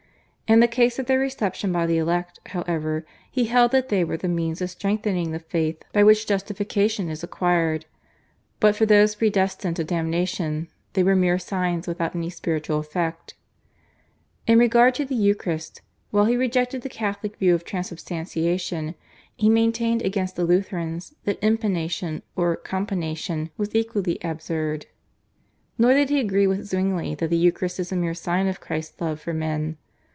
In the case of their reception by the elect, however, he held that they were the means of strengthening the faith by which justification is acquired, but for those predestined to damnation they were mere signs without any spiritual effect. In regard to the Eucharist, while he rejected the Catholic view of Transubtantiation, he maintained against the Lutherans that Impanation or Companation was equally absurd. Nor did he agree with Zwingli that the Eucharist is a mere sign of Christ's love for men.